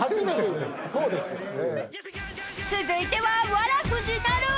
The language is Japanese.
［続いては］